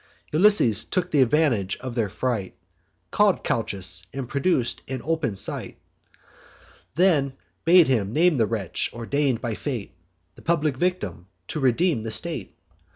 Ulysses took th' advantage of their fright; Call'd Calchas, and produc'd in open sight: Then bade him name the wretch, ordain'd by fate The public victim, to redeem the state.